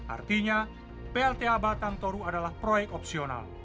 artinya plta batang toru adalah proyek opsional